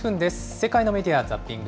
世界のメディア・ザッピング。